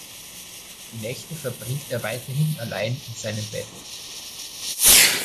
Die Nächte verbringt er weiterhin allein in seinem Bett.